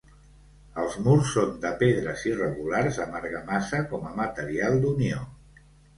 Els murs són de pedres irregulars amb argamassa com a material d'unió.